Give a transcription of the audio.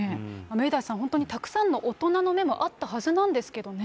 明大さん、本当にたくさんの大人の目もあったはずなんですけどね。